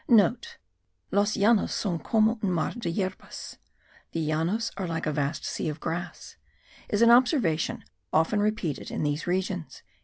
(* Los Llanos son como un mar de yerbas The Llanos are like a vast sea of grass is an observation often repeated in these regions.)